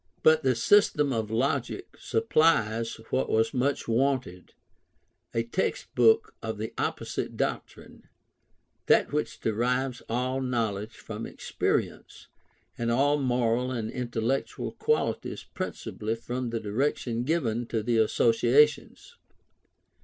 But the "System of Logic" supplies what was much wanted, a text book of the opposite doctrine that which derives all knowledge from experience, and all moral and intellectual qualities principally from the direction given to the associations.